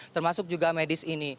termasuk juga medis ini